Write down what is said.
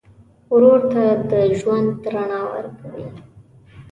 ورور ته د ژوند رڼا ورکوې.